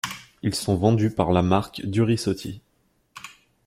Ils sont vendus par la marque Durisotti.